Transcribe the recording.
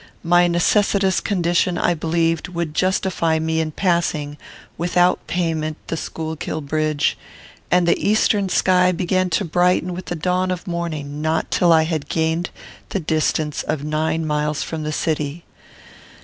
My necessitous condition I believed would justify me in passing without payment the Schuylkill bridge, and the eastern sky began to brighten with the dawn of morning not till I had gained the distance of nine miles from the city.